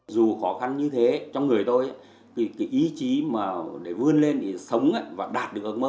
dù khó khăn như thế trong người tôi thì cái ý chí mà để vươn lên sống và đạt được ước mơ